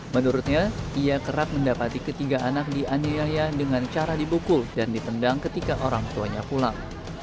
menurutnya ia kerap mendapati ketiga anak dianiaya dengan cara dibukul dan ditendang ketika orang tuanya pulang